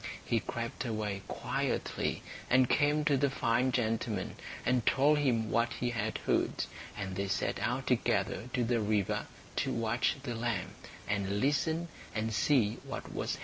He crept away quietly, and came to the fine gentleman, and told him what he had heard; and they set out together to the river, to watch the lamb, and listen, and see what was happening.